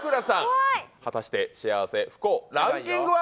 怖い果たして幸せ不幸ランキングは？